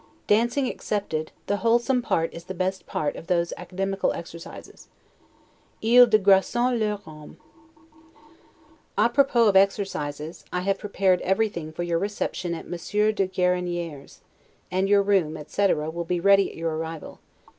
Dancing excepted, the wholesome part is the best part of those academical exercises. 'Ils degraissent leur homme'. 'A propos' of exercises, I have prepared everything for your reception at Monsieur de la Gueriniere's, and your room, etc., will be ready at your arrival.